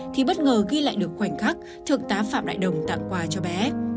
thì bất ngờ ghi lại được khoảnh khắc thượng tá phạm đại đồng tặng quà cho bé